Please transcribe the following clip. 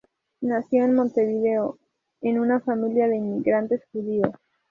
Nació en Montevideo en una familia de inmigrantes judíos.